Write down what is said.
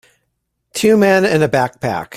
Two men and a backpack.